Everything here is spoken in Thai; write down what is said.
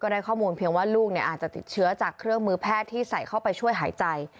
ได้ข้อมูลเพียงว่าลูกอาจจะติดเชื้อจากเครื่องมือแพทย์ที่ใส่เข้าไปช่วยหายใจ